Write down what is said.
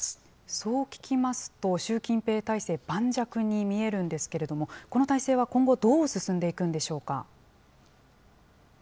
そう聞きますと、習近平体制盤石に見えるんですけれども、この体制は今後、どう進んでいくのでしょうか。